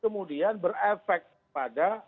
kemudian berefek pada